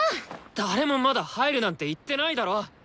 誰もまだ入るなんて言ってないだろ！